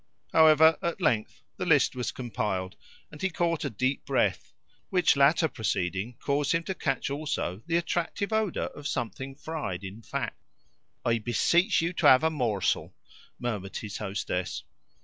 However, at length the list was compiled, and he caught a deep breath; which latter proceeding caused him to catch also the attractive odour of something fried in fat. "I beseech you to have a morsel," murmured his hostess.